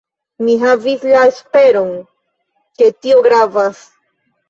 Mi havis la esperon, ke tio gravas.